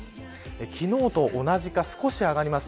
昨日と同じか、少し上がります。